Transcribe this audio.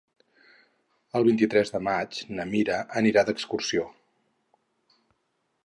El vint-i-tres de maig na Mira anirà d'excursió.